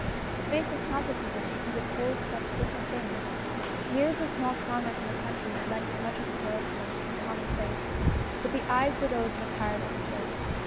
The face was complicated because it told such different things years of small commerce in the country had lent it much of the parochial and the com monplace, but the eyes were those of a tired epicure.